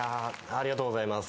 ありがとうございます。